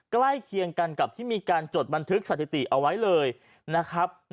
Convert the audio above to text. ใกล้เคียงกันกับที่มีการจดบันทึกสถิติเอาไว้เลยนะครับ